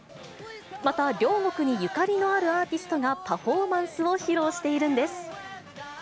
また、両国にゆかりのあるアーティストがパフォーマンスを披露しているんです。